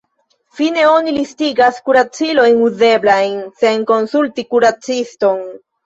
Fine, oni listigas kuracilojn uzeblajn sen konsulti kuraciston.